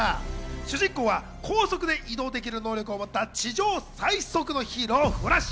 主人公は高速で移動できる能力を持った地上最速のヒーロー・フラッシュ。